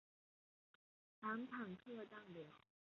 反坦克榴弹发射器的优势主要体现在近距离巷战中。